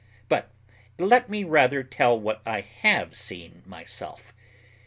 But let me rather tell what I have seen myself.